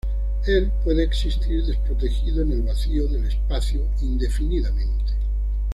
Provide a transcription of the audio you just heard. Él puede existir desprotegido en el vacío del espacio indefinidamente.